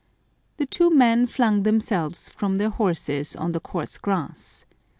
The two young men flung them selves from their horses on the coarse grass.